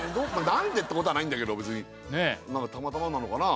何でってことはないんだけど別に何かたまたまなのかな？